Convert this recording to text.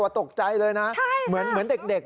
ตกใจเลยนะเหมือนเด็ก